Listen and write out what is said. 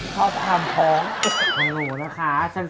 ชอบฟาร์มพอง